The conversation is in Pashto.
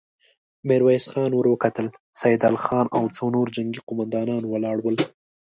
ميرويس خان ور وکتل، سيدال خان او څو نور جنګي قوماندان ولاړ ول.